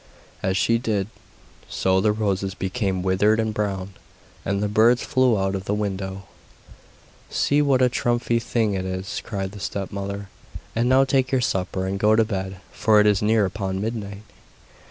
As she did so the roses became withered and brown, and the birds flew out of the window. 'See what a trumpery thing it is!' cried the stepmother; 'and now take your supper and go to bed, for it is near upon midnight.